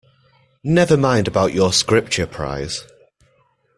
Never mind about your Scripture prize.